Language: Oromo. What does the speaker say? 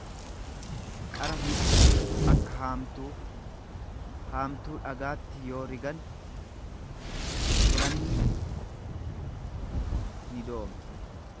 qara mi'a akka haamtuu; Haamtuu dhagaatti yoo rigan qiranni ni dooma.